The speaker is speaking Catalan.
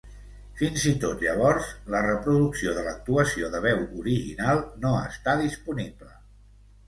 Fins i tot llavors, la reproducció de l'actuació de veu original no està disponible.